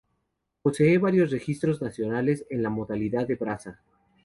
Posee varios registros nacionales en la modalidad de braza.